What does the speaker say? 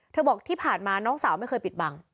บอกที่ผ่านมาน้องสาวไม่เคยปิดบัง